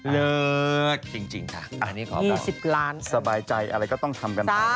เลือกจริงค่ะอันนี้ขอบคุณค่ะสบายใจอะไรก็ต้องทำกันไป